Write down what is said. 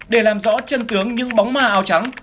để làm rõ chân tướng những bóng ma áo trắng